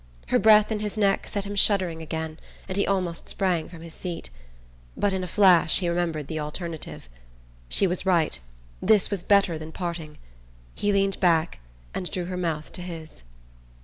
Her breath in his neck set him shuddering again, and he almost sprang from his seat. But in a flash he remembered the alternative. She was right: this was better than parting. He leaned back and drew her mouth to his...